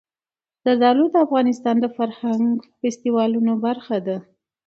زردالو د افغانستان د فرهنګي فستیوالونو برخه ده.